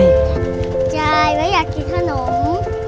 ยายไม่อยากกินขนม